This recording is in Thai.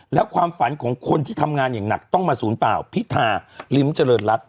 และความฝันของคนที่ทำงานอย่างหนักต้องมาศูนย์เปล่าพิธาลิ้มเจริญรัฐ